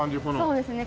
そうですね。